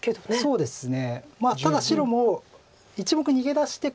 そうですね。